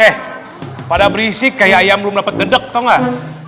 eh pada berisik kayak ayam belum dapat gedeg tau nggak